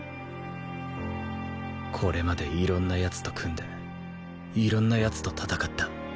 これまでいろんな奴と組んでいろんな奴と戦った